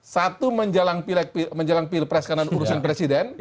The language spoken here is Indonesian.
satu menjelang pil pres karena urusan presiden